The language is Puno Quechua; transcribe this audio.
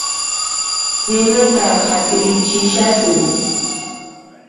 Ninata hap'irichishasun